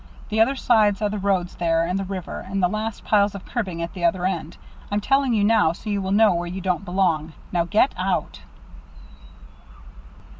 The other sides are the road there, and the river, and the last piles of cribbing at the other end. I'm telling you so you will know where you don't belong. Now, get out!"